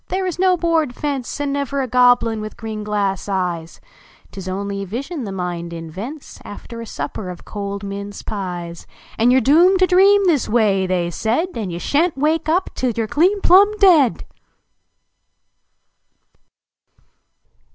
There is no board fence, And never a Goblin with green glass eyes ! Tis only a vision the mind invents After a supper of cold mince pies, And you re doomed to dream this way," they said, "And you slia n t wake nf> till you re clean plnin deed